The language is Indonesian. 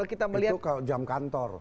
itu jam kantor